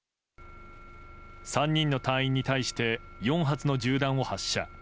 ３人の隊員に対して４発の銃弾を発射。